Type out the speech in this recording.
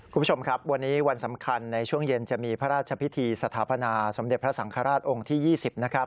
คุณผู้ชมครับวันนี้วันสำคัญในช่วงเย็นจะมีพระราชพิธีสถาปนาสมเด็จพระสังฆราชองค์ที่๒๐นะครับ